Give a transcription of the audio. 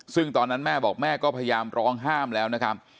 ซึ่งตอนนั้นแม่บอกแม่ก็พยายามร้องห้ามแล้วนะครับ